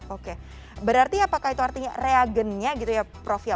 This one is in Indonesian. oke berarti apakah itu artinya reagentnya gitu ya prof ya